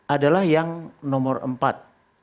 adalah yang nomor empat